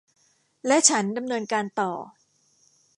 และฉันดำเนินการต่อ